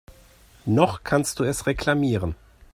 Noch kannst du es reklamieren.